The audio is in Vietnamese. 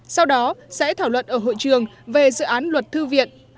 sau đó sẽ thảo luận ở hội trường về dự án luật thư viện